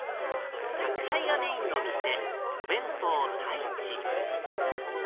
宅配がメインの店、お弁当太一。